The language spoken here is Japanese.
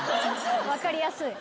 分かりやすい。